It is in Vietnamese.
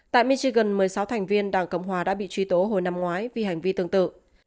tại michigan một mươi sáu thành viên đảng cộng hòa đã bị truy tố hồi năm ngoái vì hành vi tương tự